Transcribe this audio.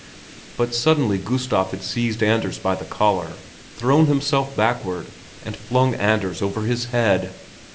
But suddenly Gustav had seized Anders by the collar, thrown himself backward and flung Anders over his head.